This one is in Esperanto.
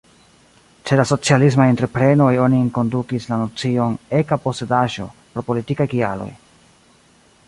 Ĉe la socialismaj entreprenoj oni enkondukis la nocion „eka posedaĵo” pro politikaj kialoj.